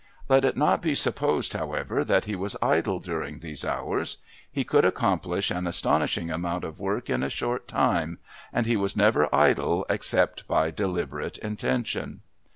Let it not be supposed, however, that he was idle during these hours. He could accomplish an astonishing amount of work in a short time, and he was never idle except by deliberate intention.